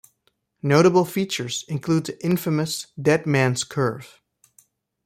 Notable features include the infamous Dead Man's Curve.